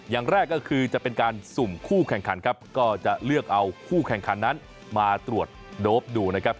อย่างแรกก็คือจะเป็นการสุ่มคู่แข่งขันครับก็จะเลือกเอาคู่แข่งขันนั้นมาตรวจโดปดูนะครับ